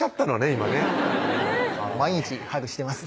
今ね毎日ハグしてます